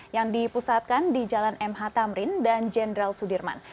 yang dipusatkan di jalan mh tamrin dan jenderal sudirman